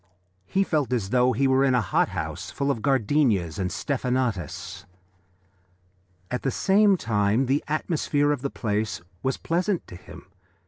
He felt as though he were in a hot house full of gardenias and stephanotis. At the same time the atmosphere of the place was pleasant to him.